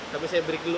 tapi saya break dulu